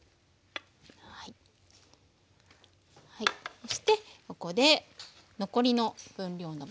そしてここで残りの分量のバターですね。